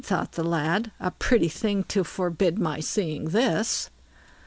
thought the lad; a pretty thing to forbid my seeing this.